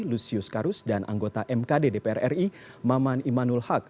lusius karus dan anggota mkd dpr ri maman imanul haq